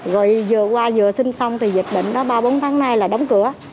rồi vừa qua vừa sinh xong thì dịch bệnh đó ba bốn tháng nay là đóng cửa